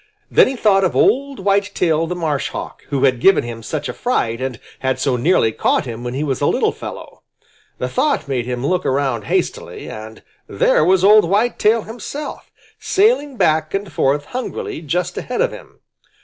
Then he thought of old Whitetail the Marshhawk, who had given him such a fright and had so nearly caught him when he was a little fellow. The thought made him look around hastily, and there was old Whitetail himself, sailing back and forth hungrily just ahead of him.